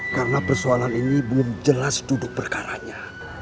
karena persoalan ini belum jelas duduk perkaranya